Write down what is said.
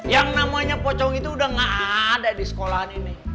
yang namanya pocong itu udah gak ada di sekolahan ini